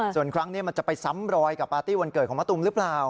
ส่วนครั้งนี้มันจะไปซ้ำรอยกับปาร์ตี้วันเกิดของมะตูมหรือเปล่า